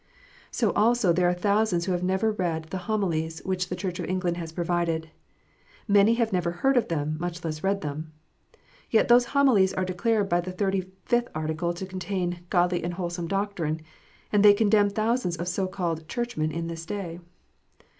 So also there are thousands who have never read the Homilies which the Church of England has provided. Many have never heard of them, much less read them. Yet those Homilies are declared by the Thirty fifth Article to contain "godly and wholesome doctrine," and they condemn thousands of so called Churchmen in this day.